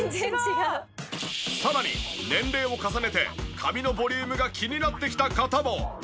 さらに年齢を重ねて髪のボリュームが気になってきた方も。